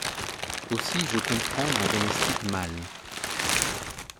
Aussi je compte prendre un domestique mâle.